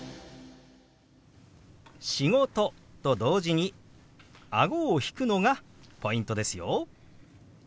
「仕事」と同時にあごを引くのがポイントですよ。